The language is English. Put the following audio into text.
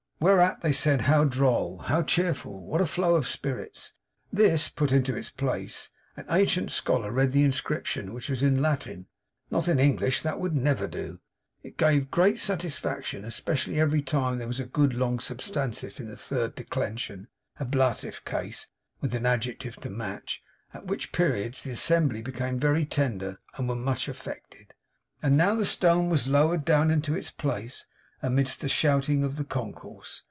Whereat they said how droll, how cheerful, what a flow of spirits! This put into its place, an ancient scholar read the inscription, which was in Latin; not in English; that would never do. It gave great satisfaction; especially every time there was a good long substantive in the third declension, ablative case, with an adjective to match; at which periods the assembly became very tender, and were much affected. And now the stone was lowered down into its place, amidst the shouting of the concourse.